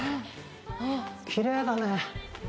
きれいだね！